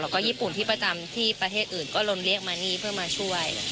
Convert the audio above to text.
แล้วก็ญี่ปุ่นที่ประจำที่ประเทศอื่นก็ลมเรียกมานี่เพื่อมาช่วย